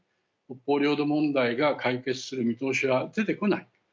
北方領土問題が解決する見通しは出てこない。